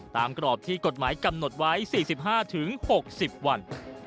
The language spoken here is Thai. กรอบที่กฎหมายกำหนดไว้๔๕๖๐วัน